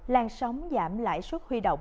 làn sóng giảm lại suất huy động